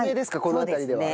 この辺りでは。